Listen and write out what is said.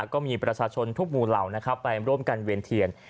ก็มีประชาชนทุกหมู่เหล่าไปร่วมกันเวียนเทียน